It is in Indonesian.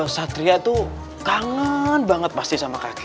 satria tuh kangen banget pasti sama kaki